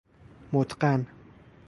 متقن